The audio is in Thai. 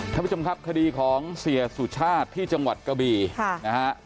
ท่านผู้ชมครับคดีของเสียสุชาติที่จังหวัดกะบีนะฮะ